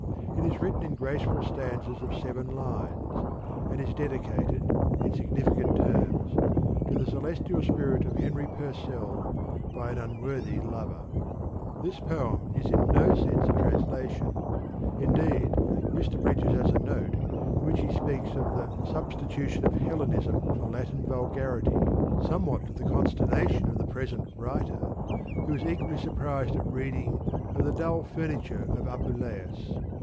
" It is written in graceful stanzas of seven lines, and dedicated, in significant terms, To the Celestial Spirit of Henry Pur cell by an Unworthy Lover. The poem is in no sfense a translation : indeed, Mr. Bridges has a note, in which he speaks of " the sub stitution of Hellenism for Latin vulgarity," THE POEMS OF MR. BRIDGES. somewhat to the consternation of the pres ent writer, who is equally surprised at read ing of " the dull furniture of Apuleius.